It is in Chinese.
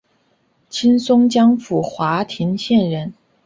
清松江府华亭县人。